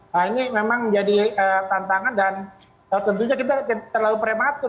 nah ini memang menjadi tantangan dan tentunya kita terlalu prematur